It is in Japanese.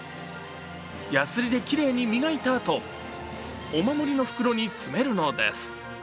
やすりできれいに磨いたあとお守りの袋に詰めるのです。